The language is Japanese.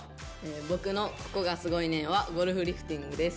「僕のココがすごいねん！」はゴルフリフティングです。